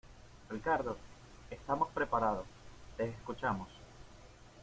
Ricardo, estamos preparados , te escuchamos.